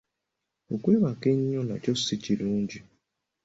Okwebaka ennyo nakyo si kirungi.